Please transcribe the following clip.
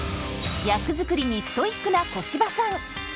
役作りにストイックな小芝さん。